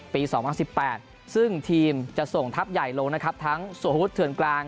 ปีสองห้างสิบแปดซึ่งทีมจะส่งทัพใหญ่ลงนะครับทั้งสวฮุธเถือนกลาง